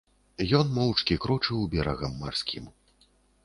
Ён моўчкі крочыў берагам марскім.